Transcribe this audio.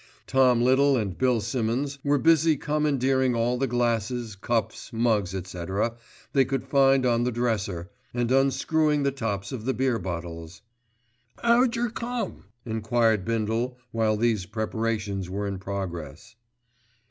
Tom Little and Bill Simmonds were busy commandeering all the glasses, cups, mugs, etc., they could find on the dresser, and unscrewing the tops of the beer bottles. "Ow jer come?" enquired Bindle while these preparations were in progress.